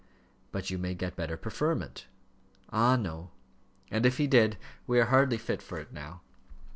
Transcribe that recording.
"But you may get better preferment." "Ah, no; and if he did, we are hardly fit for it now.